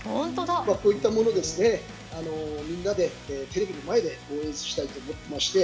こういったものでみんなでテレビの前で応援したいと思っていまして。